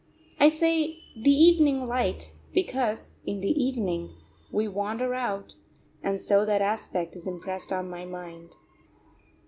I say "the evening light," because in the evening we wander out, and so that aspect is impressed on my mind.